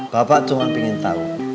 bapak cuma pingin tau